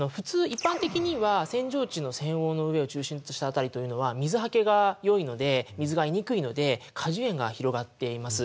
一般的には扇状地の扇央の上を中心とした辺りというのは水はけがよいので水が得にくいので果樹園が広がっています。